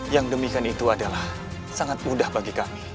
yang demikian itu adalah sangat mudah bagi kami